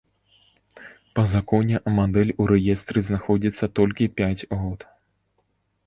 Па законе мадэль у рэестры знаходзіцца толькі пяць год.